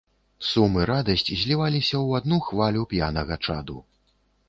Сум і радасць зліваліся ў адну хвалю п'янага чаду.